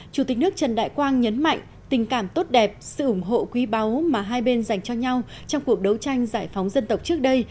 chủ tịch nước trần đại quang nhấn mạnh tình cảm tốt đẹp sự ủng hộ quý báu mà hai bên dành cho nhau trong cuộc đấu tranh giải phóng dân tộc trước đây